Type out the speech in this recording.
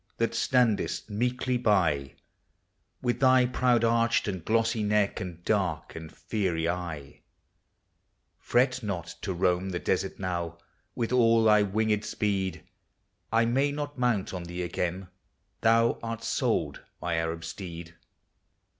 that standest meekly by, With thy proudly arched and glossy neck, and dark and fiery eye, Fret not to roam the desert now, with all thy winged speed; I may not mount on thee again, — thou 'rt sold, my Arab steed